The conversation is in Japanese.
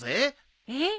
えっ！？